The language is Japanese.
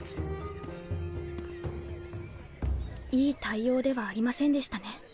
いい対応ではありませんでしたね。